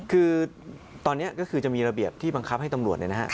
คือตอนนี้ก็คือจะมีระเบียบที่บังคับให้ตำรวจเนี่ยนะฮะ